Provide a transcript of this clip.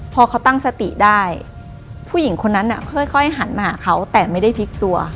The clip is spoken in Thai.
พอเขาตั้งสติได้ผู้หญิงคนนั้นน่ะค่อยหันมาหาเขาแต่ไม่ได้พลิกตัว